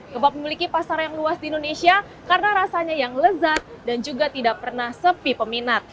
kebab memiliki pasar yang luas di indonesia karena rasanya yang lezat dan juga tidak pernah sepi peminat